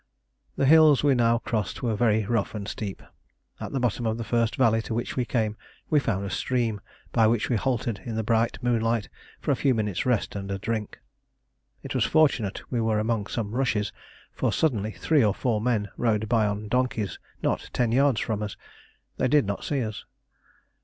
The hills we now crossed were very rough and steep. At the bottom of the first valley to which we came we found a stream, by which we halted in the bright moonlight for a few minutes' rest and a drink. It was fortunate we were amongst some rushes, for suddenly three or four men rode by on donkeys not ten yards from us. They did not see us.